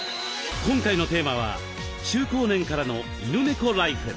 今回のテーマは「中高年からの犬猫ライフ」。